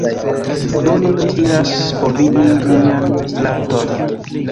Do, ni nun iras por vidi mian fraton